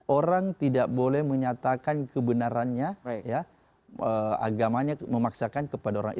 orang tidak boleh menyatakan kebenarannya agamanya memaksakan kepada orang lain